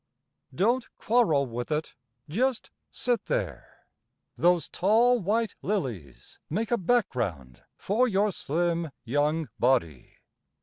Don't quarrel with it, just sit there, those tall White lilies make a background for your slim Young body.